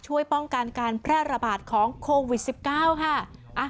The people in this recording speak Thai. ช่วยป้องกันการแพร่ระบาดของโควิด๑๙ค่ะ